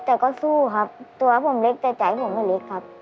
แต่ก็สู้ครับตัวผมเล็กแต่ใจผมไม่เล็กครับ